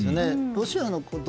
ロシアのこと